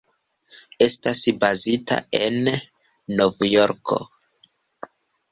Estas bazita en Novjorko.